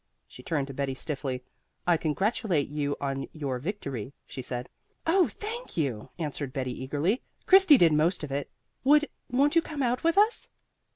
She turned to Betty stiffly. "I congratulate you on your victory," she said. "Oh thank you!" answered Betty eagerly. "Christy did most of it. Would won't you come out with us?"